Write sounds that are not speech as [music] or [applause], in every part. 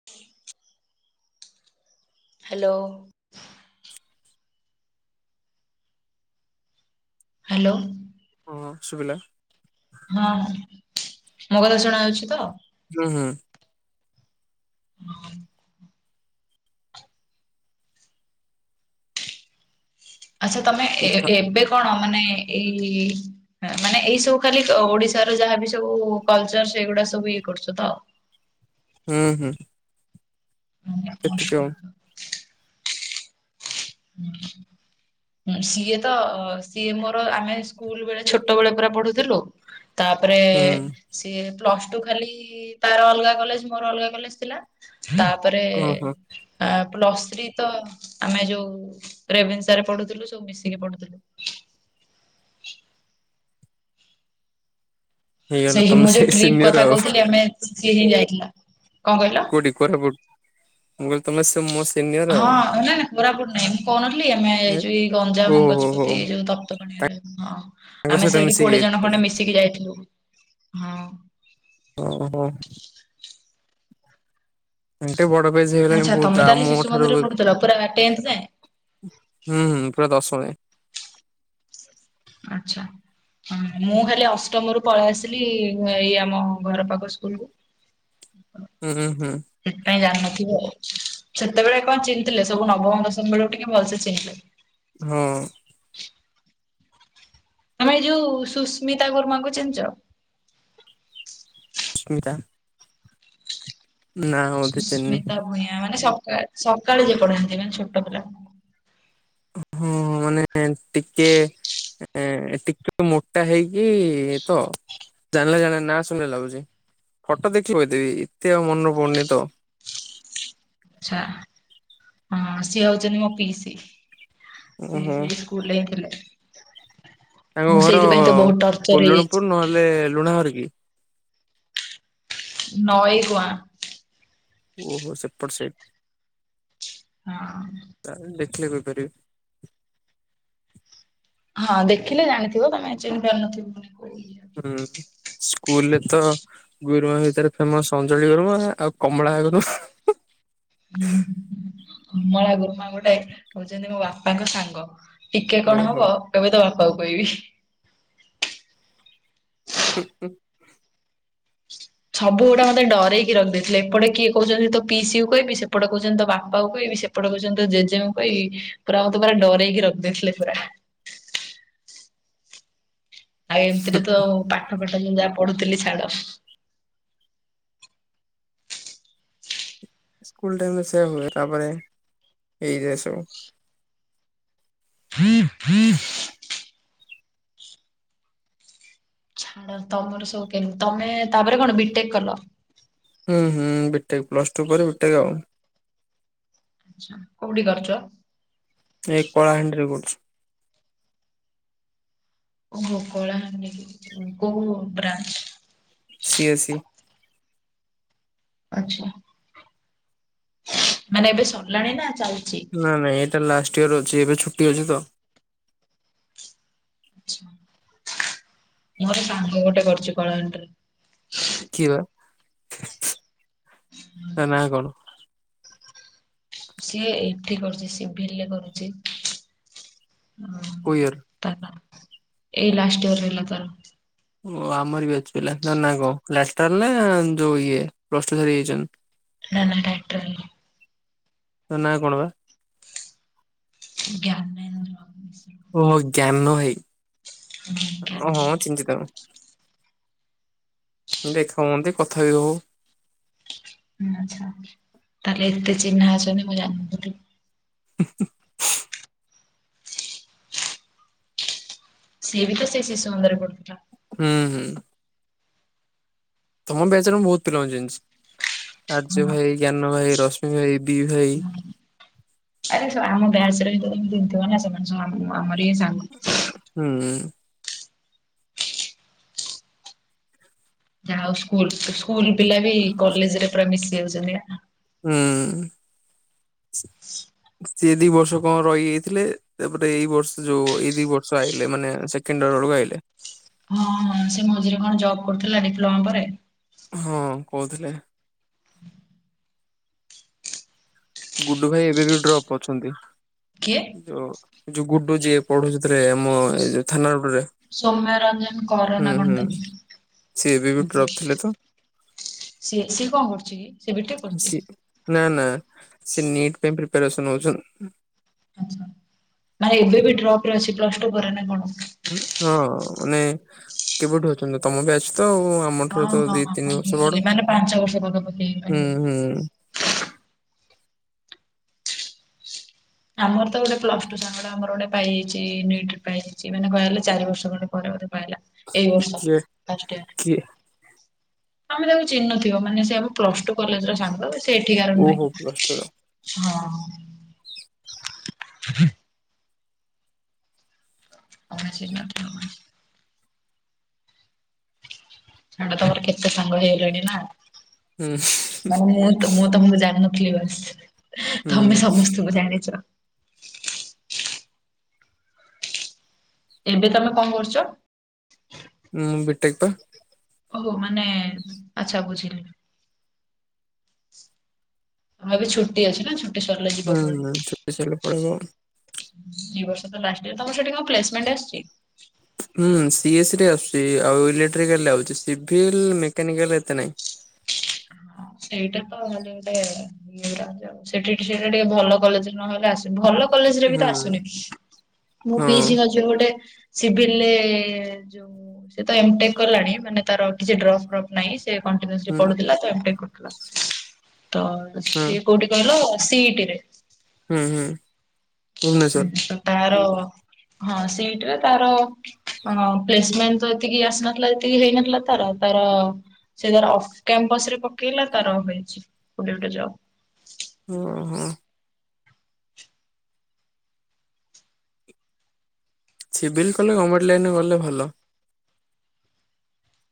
[inaudible] Hello. [inaudible] Hello. ହଁ ଶୁଭିଲା। ହଁ ହଁ ମୋ କଥା ଶୁଣା ଯାଉଛି ତ। ହୁଁ ହୁଁ। ହଁ। ଆଛା ତମେ ଏ ଥ ଏ ଏବେ କଣ ମାନେ ଏଇ। ହଁ ମାନେ ଏଇ ସବୁ ଖାଲି ଓଡିଶାର ଯାହାବି ସବୁ କଲଚର ସେଇଗୁଡା ସବୁ ଇଏ କରୁଛୁ ତ। ହୁଁ ହୁଁ। ସେତିକି ଆଉ ଇମ୍ପପୋସିବଲ [inaudible] ସିଏ ତ ସିଏ ମୋର ଆମେ ସ୍କୁଲ ବେଳେ ଛୋଟ ବେଳେ ପରା ପଢୁଥିଲୁ।। ତାପରେ ହୁଁ ସିଏ ପ୍ଲସ୍ ଟୁ ଖାଲି ତାର ଅଲଗା କଲେଜ ମୋର ଅଲଗା କଲେଜ ଥିଲା। ତାପରେ ଓହୋ ଆ ପ୍ଲସ ଥ୍ରୀ ତ ଆମେ ଯୋଉ। ରେଭେନ୍ସାରେ ପଢୁଥିଲୁ ସବୁ ମିଶିକି ପଢୁଥିଲୁ। [inaudible] ହେଇଗଲା ସେଇ ତମେ ମୁଁ ଯୋଉ ଟ୍ରିପ ସିନିୟର କଥା ଆଉ କହୁଥିଲି ଆମେ ସିଏ ହିଁ ଯାଇଥିଲା କଣ କହିଲ? [unintelligible] ହଁ ଆଉ ନାଇଁ ନାଇଁ କୋରାପୁଟ ନାଇଁ ମୁଁ କହୁ ନଥିଲି ଆମେ ଏଇ ଏ ଯଉ ଗଞ୍ଜାମ ଓହୋ ହୋ ହୋ ଗଜପତି ଏଇ ଯୋଉ ତପ୍ତପାଣି। ତା ହଁ ତାଙ୍କ ଆମେ ସହିତ ସେମିତି ମିଶିକି କୋଡିଏ ଯାଇଥିଲ ଜଣ ବୋଧେ ଖଣ୍ଡେ ମିଶିକି ଯାଇଥିଲୁ ହଁ। ଓହୋ। ଏଠେ ବଡ ପେଜ ହେଇଗଲାଣି ଆଚ୍ଛା ତମେ ବହୁତ [unintelligible] ତାହେଲେ ମୋ ଶିଶୁ ଠାରୁ ମନ୍ଦିରରେ ବି ପଢୁଥିଲ ପୁରା ଟେନ୍ଥ ଯାଏଁ? ହୁଁ ହୁଁ ପୁରା ଦଶମରେ। ଆଚ୍ଛା। ହଁ ମୁଁ ହେଲେ ଅଷ୍ଟମ ରୁ ପଳେଇ ଆସିଲି ଏଇ ଆମ ଘର ପାଖ ସ୍କୁଲ କୁ। [inaudible] ହୁଁ ହୁଁ ସେଥିପାଇଁ ଜାଣିନଥିବ ସେତେବେଳେ କଣ ଚିହ୍ନଥିଲେ ସବୁ ନବମ ଦଶମ ବେଳକୁ ଟିକେ ଭଲ ସେ ଚିହ୍ନିଥିଲେ। ହଁ ଅଁ ଭାଇ ଯୋଉ ସୁସ୍ମିତା ଗୁରୁମାଙ୍କୁ ଚିହ୍ନିଛ। ସୁମିତା। ବୋଧେ ଚିହ୍ନିନି ସୁସ୍ମିତା ଭୂୟାଁ ମାନେ ସକା ସକାଳୁ ପଢାନ୍ତି ମାନେ ଛୋଟ ପିଲା। ହଁ ମାନେ ଟିକେ। ଏଁ ଟିକେତ ମୋଟା ହେଇକି ତ। ଜାଣିଲା ଜାଣିଲା ନାଁ ଶୁଣିଲା ଲାଗୁଛି ଫଟୋ ଦେଖି କହିଦେବି ଏତେ ଆଉ ମନେ ପଡୁନି ତ। ଆଛା ହଁ ସିଏ ହଉଛନ୍ତି ମୋ ପିଇସୀ ସେ ଓହୋ ସେ। [unintelligible] ତାଙ୍କ ମୁଁ ଘର ସେଇଥିପାଇଁ ତ ବହୁତ କୋଲଣପୁର [unintelligible] ନହେଲେ ଲୁଣା ହର କିି। ନଈଗୁଆଁ। - ଓହୋ ସେପଟ ସାଇଟ୍। ହଁ। ଦେଖିଲେ କହି ପାରିବି। ହଁ ଦେଖିଲେ ଜାଣିଥିବ ତମେ ଚିହ୍ନି ପାରୁ ନଥିବ ପୁଣି। ହୁଁ ସ୍କୁଲରେ ତ। ଗୁରୁମା ଭିତରେ ଫେମସ ଅଞଳି ଗୁରୁମା ଆଉ କମଳା ଗୁରୁମା ହା କମଳା ଗୁରୁମା ଗୋଟେ ହଉଛନ୍ତି ମୋ ବାପାଙ୍କ ସାଙ୍ଗ। ଟିକେ କଣ ଓହୋ। ହବ କହିବେ ତ ବାପାଙ୍କୁ କହିବି। ହୁଁ ହୁଁ। ସବୁ ଗୁଡା ମତେ ଡରଇକି ରଖଦେଇଥିଲେ ଏପଟେ କିଏ କହୁଚନ୍ତି ତୋ ପିସିକୁ କହିବି ସେପଟ କହୁଚନ୍ତି ତୋ ବାପାକୁ କହିବି ସେ ଏପଟେ କହୁଚନ୍ତି ତ ଜେଜେଙ୍କୁ କହିବି ପୁରା ମତେ ପୁରା ଡରଇକି ରଖିଦେଇଥିଲେ ପୁରା। ଆଉ ଏମିତିରେ ତ ପାଠ ଫାଠ ମୁଁ ଯାହା ପଢୁଥିଲି ଛାଡ। ସ୍କୁଲ ଟାଇମ୍ ରେ ସେଇଆ ହୁଏ ତାପରେ ଏଇରା ସବୁ ଫି ଫି [unintelligible] ଛାଡ ତମର ସବୁ କେମତି ତମେ ତାପରେ କଣ ବିଟେକ୍ କଲ? ହୁଁ ହୁଁ ବିଟେକ୍ ପ୍ଲସ୍ଟୁ ପରେ ବିଟେକ୍ ଆଉ। ଆଛା କୋଉଠି କରିଚ? ଏଇ କଳାହାଣ୍ଡିରେ କରୁଚି। ଓହୋ କଳାହାଣ୍ଡିରେ କୋଉ ବ୍ରାଞ୍ଚ? C A C. ଆଚ୍ଛା। ମାନେ ଏବେ ସରିଲାଣି ନା ଚାଲିଚି? ନାଁ ନାଁ ଏଇଟା ଲାଷ୍ଟ ଇୟର ଅଛି ଏବେ ଛୁଟି ଅଛି ତ। ଆଚ୍ଛା। ମୋର ସାଙ୍ଗ ଗୋଟେ କରିୁଚି କଳାହାଣ୍ଡିରେ। କିଏ ବା ତା ନା କଣ? ସିଏ ଏଠି କରୁଚି ସିଭିଲି ରେ କରୁଚି ହୁଁ କୋଉ ଇୟର? ତାର ଏଇ ଲାଷ୍ଟ ଇୟର ହେଲା ତାର। ଓ ଆମରି ବ୍ୟାଚ୍ ପିଲା ତା ନା କଣ ଲାସ୍ତାର ନାଁ ଯୋଉ ଇଏ ପ୍ଲସ୍ଟୁ ସରିକି ଯାଇଚନ୍ତି। ନାଁ ନାଁ ଟାଇଟଲ୍। ତା ନାଁ କଣ ବା? ଜ୍ଞାନେନ୍ଦ୍ର ନିଶ୍ଚୟ। ଓହୋ ଜ୍ଞାନ ଭାଇ ହୁଁ, ହଁ ହଁ ଜ୍ଞାନେନ୍ଦ୍ର। ଚି‌ହ୍ନିଚି ତାଙ୍କୁ। ଦେଖା ହୁଅନ୍ତି କଥା ବି ହଉ। ଆଚ୍ଛା ତାହେଲେ ଏତେ ଚିହ୍ନା ଅଛନ୍ତି ମୁଁ ଜାଣିିନଥିଲି। [unintelligible] ସିଏ ବି ତ ସେଇ ଶିଶୁ ମନ୍ଦରେ ପଡୁଥିଲା। ହୁଁ ହୁଁ। ତମ ବ୍ୟାଚର ମୁଁ ବହୁତ୍ ପିଲାଙ୍କ ଚିହ୍ନିଚି ହଁ, ଆର୍ଯ୍ୟ ଭାଇ ଜ୍ଞାନ ଭାଇ ରଶ୍ମି ଭାଇ ଦି ଭାଇ ହଁ। ଆରେ ସ ଆମ ବ୍ୟାଚରେ ତ ତମେ ଚିହ୍ନିଥିବ ନା ସେମାନେ ସବୁ ଆମ ଆମରି ସାଙ୍ଗ ହୁଁ। ଯାହାହଉ ସ୍କୁଲ ସ୍କୁଲ ପିଲା ବି କଲେଜ ରେ ପୁରା ମିଶି ଯାଉଚନ୍ତି ନା? ହୁଁ ସିଏ ଦି ବର୍ଷ କଣ ରହିଯାଇଥିଲେ ତାପରେ ଏଇ ବର୍ଷ ଯୋଉ ଏଇ ଦି ବର୍ଷ ଆଇଲେ ମାନେ ସେକେଣ୍ଡ ଇୟର ବେଳକୁ ଆଇଲେ। ହଁ ହଁ ସେ ମଝିରେ କଣ ଜବ୍ କରୁଥିଲା ଡିପ୍ଲୋମା ପରେ ହଁ କହୁଥିଲେ। ଗୁଡୁ ଭାଇ ଏବେ ବି ଡ୍ରପ୍ ଅଛନ୍ତି। କିଏ? ଯୋଉ ଯୋଉ ଗୁଡ ଯିଏ ପଢୁଚୁତୁରେ ଆମ ଏ ଯୋଉ ଥାନା ରୋଡରେ ସୌମ୍ୟ ରଞ୍ଜନ କର ହୁଁ ନା ହୁଁ କଣ ତାନା ସିଏ ଏବେ ବି ଡ୍ରପ୍ ହୁଁ। ଥିଲେ ତ ସିଏ ସିଏ କଣ କରୁଚିକି? ସିଏ ନାଁ ନାଁ ସିଏ ନିଟ୍ ପାଇଁ ପ୍ରିପ୍ପାରେସନ ନଉଚନ୍ତି। ନାଇଁ ଏବେ ବି ଡ୍ରପ ରେ ଅଛି ପ୍ଲସ୍ଟୁ ପରେ ନା କଣ? ହଁ ମାନେ କେବେଠୁ ଅଛନ୍ତି ତମ ବ୍ୟାଚ୍ ତ ଆଉ ଆମ ଆମ ହଁ ଠାରୁ ତ ହଁ ଦିଇ ହଁ ତିନି ହଁ ବର୍ଷ ବୁଝିଲି ବଡ ମାନେ ପାଞ୍ଚ ବର୍ଷ ପାଖାପାଖି ହେଇଗଲାଣି। ହୁଁ ହୁଁ। ଆମର ତ ଗୋଟେ ପ୍ଲସ ଟୁ ସାଙ୍ଗ ଟେ ଆମର ଗୋଟେ ପାଇଯାଇଚି ନିଟ୍ ପାଇଯାଇଚି ମାନେ କହିବାକୁ ଗଲେ ଚାରିର୍ଷ ଖଣ୍ଡେ ପରେ ବୋଧେ ପାଇଲା। ଏଇ ବର୍ଷ କିଏ ଫାଷ୍ଟ ଇୟର ରେ। କିଏ ଆମେ ତାକୁ ଚିହ୍ନନଥିବ ମାନେ ସେ ଆମ ପ୍ଲସ ଟୁ କଲେଜ ର ସାଙ୍ଗ ସେ ଏଠିକାର ନୁହେଁ। ଓହୋ ପ୍ଲସ ଟୁ ର ହଁ। [inaudible] ଆରସିନା ପୋରମାଇ। ଛାଡ଼ ତମର କେତେ ସାଙ୍ଗ ହେଇଲାଣି ନା। ହୁଁ [unintelligible] ମୁଁ ତମକୁ ଜାଣିନଥିଲି ବାସ୍ ହୁଁ। ତମେ ସମସ୍ତଙ୍କୁ ଜାଣିଛ। ଏବେ ତମେ କଣ କରୁଛ? [inaudible] ମୁଁ ବିଟେକ୍ ପା। ଓହୋ ମାନେ ଆଚ୍ଛା ବୁଝିଲି। ଭାଇ ର ଛୁଟି ଅଛି ନା ଛୁ ହୁଁ ହୁଁ ଛୁଟି ସାରିଲେ ପଳେଇବ ଆଉ। ଦି ବର୍ଷ ତ ଲାଷ୍ଟ ଇ ତମର ସେଠି କଣ ପ୍ଲେସମେଣ୍ଟ ଆସିଛି? ହୁଁ ସିଏ ସ ରେ ଆସୁଛି ଆଉ ଇଲେକ୍ଟ୍ରିକାଲରେ ଆଉଛି ସିଭିଲ୍ ମେକାନିକାଲ ଏତେ ନାହିଁ। ହଁ ସେଇଟା ତ ମାନେ ଗୋଟେ [unintelligible] ସେଠି ସେଟା ଟିକେ ଭଲ କଲେଜ ନହେଲେ ଆସ ଭଲ କଲେଜ ରେ ବି ତ ହୁଁ ଆସୁନି ମୁଁ ହଁ ପିସି ଯୋଉ ଗୋଟେ ସିଭିଲରେ ଯୋଉ ସେ ତ ଏମଟେକ କଲାଣି ମାନେ ତାର କିଛି ଡ୍ରପ ଫ୍ରଫ୍ ନାହିଁ। ସେ କଣ୍ଟିନିଉସଲି ହୁଁ ପଢୁଥିଲା ତ ଏମଟେକ୍ କରୁଥିଲା ତ ହୁଁ ସିଏ କୋଉଠି କର ସିଟି ରେ। ହୁଁ ହୁଁ। ଭୁବନେଶ୍ଵର। ତାର ହଁ ସେଇଟା ତା ର କଣ ପ୍ଲେସମେଣ୍ଟ ତ ଏତିକି ଆସିନଥିଲା ଯେତିକି ହେଇନଥିଲା ତାର ତାର ସେ ତାର ଅଫ୍ କ୍ୟାମ୍ପସ ରେ ପକେଇଲା ତାର ହେଇଛି କୁଡ଼ି ଗୋଟେ ଜବ୍। ଓ ହୋ। ସିଭିଲ୍ କଲେ ଗଭର୍ଣମେଣ୍ଟ ଲାଇନରେ ଗଲେ ଭଲ।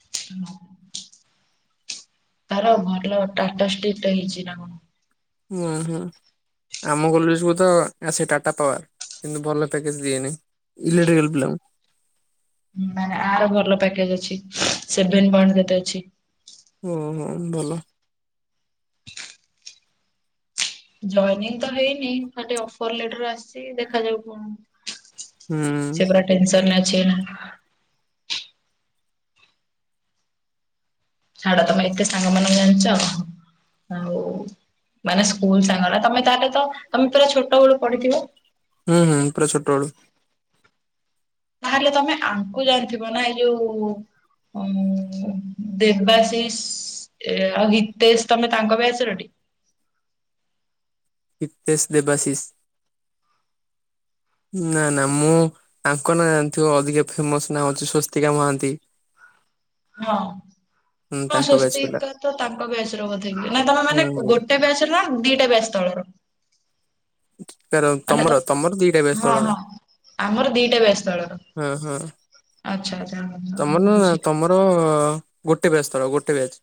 ହଁ। ତାର ଭଲ ଟାଟା ଷ୍ଟିକଟା ହେଇଛି ନା କଣ? ହଁ ହଁ। ଆମ କଲେଜକୁୁ ତ ଆସେ ଟାଟା ପାୱାର କିନ୍ତୁ ଭଲ ପ୍ୟାକେଜ ଦିଏନି। ଇଲେକ୍ଟ୍ରିକାଲ ପିଲାଙ୍କୁ। ଆର ଭଲ ପ୍ୟାକେଜ ଅଛି ସେଭେନ ପଏଣ୍ଟ କେତେ ଅଛି। ଓ ହୋ ଭଲ। ଜଏନିଂ ତ ହେଇନି ଖାଲି ଅଫର ଲେଟର ଆସିଛି ଦେଖାଯାଉ କଣ। ହୁଁ। ସେ ପୁରା ଟେନସନରେ ଅଛି। ଛାଡ଼ ତମେ ଏତେ ସାଙ୍ଗ ମାନକୁ ଜାଣିଛ। ଆଉ ମାନେ ସ୍କୁଲ ସାଙ୍ଗନା ତମେ ତାହେଲେ ତ ତମେ ପୁରା ଛୋଟ ବେଳୁ ପଢିଥିବ। ହୁଁ ହୁଁ ପୁରା ଛୋଟ ଵେଳୁ। ତାହେଲେ ତମେ ଆଙ୍କୁ ଜାଣିଥିବ ନା ଏଇ ଯୋଉ ଊଁ ଦେବାଶିଷ। ଏ ଆଉ ହିତେଶ ତମେ ତାଙ୍କ ବ୍ୟାଚ ର ଟି? ହତେଶ ଦେବାଶିଷ। ନା ନା ମୁଁ ଆଙ୍କ ନାଁ ଜାଣିଥିବ ଅଧିକ ଫେମସ ନାଁ ହଉଛି ସ୍ବସ୍ତିକା ମହାନ୍ତି। ହଁ ହୁଁ ହଁ ତାଙ୍କ ବ୍ୟାଚ୍ ପିଲା ସ୍ଵସ୍ତିକା ତ ତାଙ୍କ ବ୍ୟାଚ୍ ର ବୋଧେ ନା ତମେ ହୁଁ ମାନେ ଗୋଟ୍ ହୁଁ ଗୋଟେ ବ୍ୟାଚ ର ନା ଦିଟା ବ୍ୟାଚ ତଳର? କାର ମାନେ ତ ତମର ତମର ଦିଟା ଵ୍ୟାଚ ହଁ ହଁ ତଳର? ଆମର ଦିଟା ବ୍ଯାଚ ତଳର ହଁ ଆଛା ଆଛା। ମାନେ ତମର ଗୋଟେ ବ୍ୟାଚ ତଳେ, ଗୋଟେ ବ୍ୟାଚ।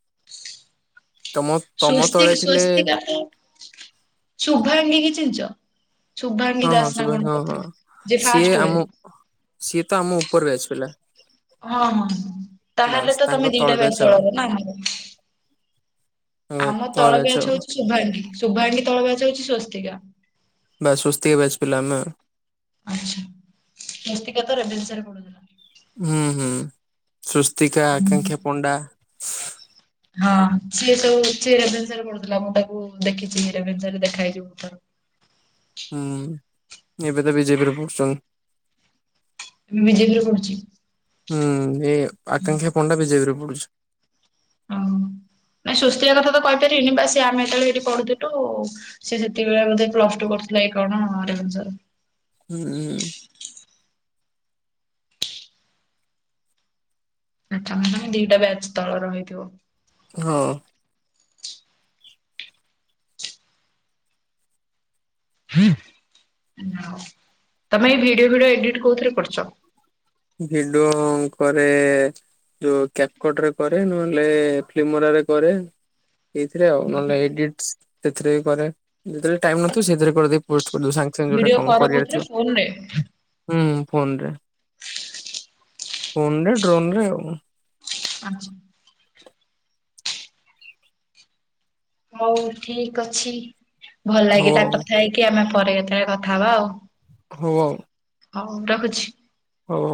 ତମ ତମ ତଳେ ସ୍ୱସ୍ତିକ ଥିଲେ ସ୍ୱସ୍ତିକ [unintelligible] ଶୁଭାଙ୍ଗି କି ଚିହିଁଚ? ଶୁଭାଙ୍ଗୀ ହଁ ହଁ ଦାଶ ନା ଶୁଭା କଣ ହଁ ଗୋଟେ ହଁ। ଥିଲେ? ଯେ ସିଏ ଫାଷ୍ଟ ଆମ ହୁଏ। ସିଏ ତ ଆମ ଉପର ବ୍ୟାଚ ପିଲା। ହଁ- ହଁ ତାହେଲେ ବାସ୍ ତାଙ୍କ ତମେ ତଳ ଦିଟା ବ୍ୟାଚ୍ ବ୍ୟାଚରେ ଆଉ। ତଳର ନା। ଆମ ତଳ ବ୍ୟାଚ ହେଉଛି ଶୁଭାଙ୍ଗୀ, ଶୁଭାଙ୍ଗୀ ତଳ ବ୍ୟାଚ ହେଉଛି ସ୍ଵସ୍ତିକା। ବାସ ସ୍ୱସ୍ତିକ ବ୍ୟାଚ ପିଲା ଆମେ। ଆଚ୍ଛା ସ୍ୱସ୍ତିକା ତ ରେଭେନ୍ସାରେ ପଢୁଥିଲା। ହୁଁ- ହୁଁ ସ୍ୱସ୍ତିକା, ହୁଁ। ଆକାଂକ୍ଷା ପଣ୍ଡା। [inaudible] ହଁ ସିଏ ସବୁ ସିଏ ରେଭେନ୍ସାରେ ପଢ଼ୁଥିଲା, ମୁଁ ତାକୁ ଦେଖିଛି ରେଭେନ୍ସାରେ ଦେଖା ହେଇଛିି ବହୁତ ଥର। ହୁଁ ଏବେ ତ ବି ଜେ ପି ରେ ପଢ଼ୁଚ ମୁଁ ବି ଜେ ପି ରେ ପଢୁଛି। ହୁଁ ଏ ଆକାଂକ୍ଷା ପଣ୍ଡା ବି ଜେ ପିରେ ପଢୁଛି। ଓ ହ ନାଇଁ ସ୍ୱସ୍ତିକା କଥା ତ କହିପାରିବିନି, ବାସ ଆମେ ଯେତେବେଳେ ଏଇଠି ପଢୁଥିଲୁ ସେ ସେତିକିବେଳେ ବୋଧେ, ପ୍ଲସଟୁ କରୁଥିଲା କି କଣ ରେଭେନ୍ସାରେ? ହୁଁ। ଆ ତନ୍ମୟୀ ଦିଟା ବ୍ୟାଚ୍ ତଳର ହେଇଥିବ। ହଁ। ତମେ ଏଇ ଭିଡିଓ ଫିଡିଓ ଏଡିଟ କୋଉଥିରେ କରୁଛ? ଭିଡିଓ କରେ ଯୋଉ କ୍ୟାପକଟରେ କରେ, ନହେଲେ ଫିଲ୍ମରାରେ କରେ। ଏଇଥିରେ ଆଉ ନହେଲେ ଏଡିଟ ସେଥିରେ କରେ, ଯେତେବେଳେ ଟାଇମ ନଥିବ ସେଥିରେ କରିଦେଇ ପୋଷ୍ଟ କରିଦେବୁ। ସାଙ୍ଗ ସେମିତି ଗୋଟେ ଭିଡିଓ କଣ କର କରିବାର କୋଉଥିରେ ଥିବ, ଫୋନରେ? ହୁଁ ଫୋନ ରେ ଫୋନରେ, ଡ୍ରୋନରେ ଆଉ। ଆଚ୍ଛା। ହଉ ଠିକ ଅଛି ଭଲ ହଉ ଲାଗିଲା ଆଉ କଥା ହେଇକି, ଆମେ ପରେ କେତେବେଳେ କଥା ହବା ଆଉ। ହଉ ଆଉ। ହଉ ରହୁଛି। ହଉ।